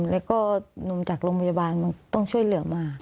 แล้วก็หนุ่มจากโรงพยาบาลมันต้องช่วยเหลือมา